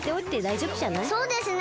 そうですね